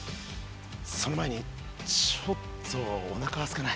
その前にちょっとおなかすかない？